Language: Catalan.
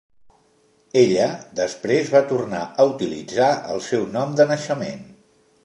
Ella després va tornar a utilitzar el seu nom de naixement.